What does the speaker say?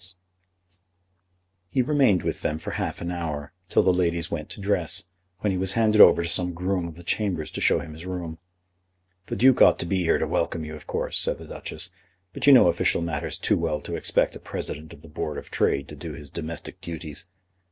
[Illustration: "Yes, there she is."] He remained with them for half an hour, till the ladies went to dress, when he was handed over to some groom of the chambers to show him his room. "The Duke ought to be here to welcome you, of course," said the Duchess; "but you know official matters too well to expect a President of the Board of Trade to do his domestic duties.